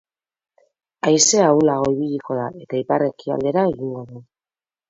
Haizea ahulago ibiliko da eta ipar-ekialdera egingo du.